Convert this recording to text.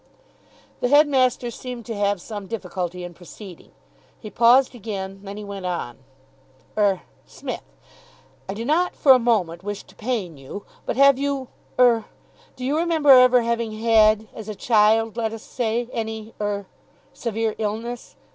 The headmaster seemed to have some difficulty in proceeding. He paused again. Then he went on. "Er Smith, I do not for a moment wish to pain you, but have you er, do you remember ever having had, as a child, let us say, any er severe illness?